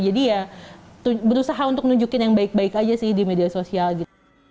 jadi ya berusaha untuk nunjukin yang baik baik aja sih di media sosial gitu